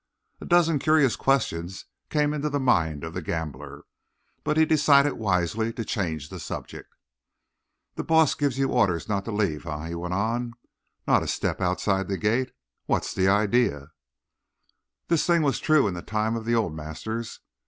A dozen curious questions came into the mind of the gambler, but he decided wisely to change the subject. "The boss gives you orders not to leave, eh?" he went on. "Not a step outside the gate? What's the idea?" "This thing was true in the time of the old masters.